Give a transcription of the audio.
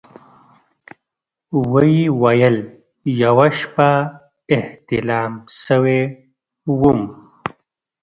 ويې ويل يوه شپه احتلام سوى وم.